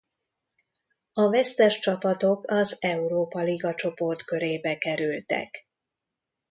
A vesztes csapatok az Európa-liga csoportkörébe kerültek.